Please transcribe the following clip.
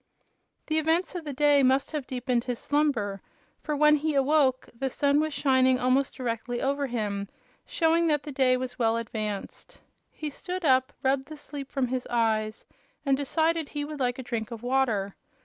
The events of the day must have deepened his slumber, for when he awoke the sun was shining almost directly over him, showing that the day was well advanced. He stood up, rubbed the sleep from his eyes and decided he would like a drink of water.